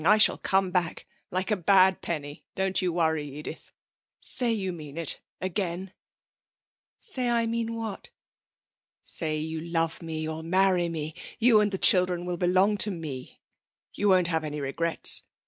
I shall come back like a bad penny, don't you worry. Edith, say you mean it, again.' 'Say I mean what?' 'Say you love me, you'll marry me. You and the children will belong to me. You won't have any regrets?